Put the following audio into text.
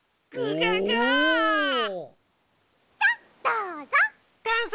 どうぞ。